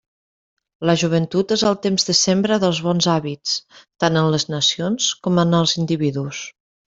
La joventut és el temps de sembra dels bons hàbits, tant en les nacions com en els individus.